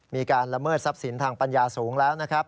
มีการละเมิดทรัพย์สินทางปัญญาสูงแล้วนะครับ